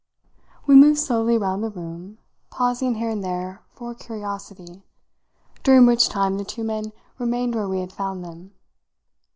We moved slowly round the room, pausing here and there for curiosity; during which time the two men remained where we had found them.